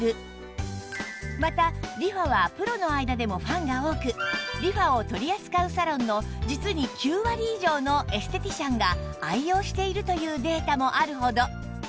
またリファはプロの間でもファンが多くリファを取り扱うサロンの実に９割以上のエステティシャンが愛用しているというデータもあるほど